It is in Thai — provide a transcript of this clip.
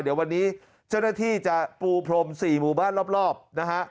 เดี๋ยววันนี้เจ้าหน้าที่จะปูพรม๔หมู่บ้านรอบนะฮะ